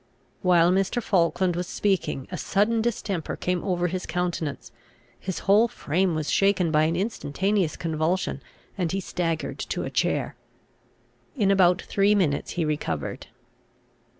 While Mr. Falkland was speaking a sudden distemper came over his countenance, his whole frame was shaken by an instantaneous convulsion, and he staggered to a chair. In about three minutes he recovered.